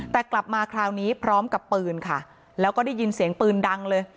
แต่กลับมาคราวนี้พร้อมกับปืนค่ะแล้วก็ได้ยินเสียงปืนดังเลย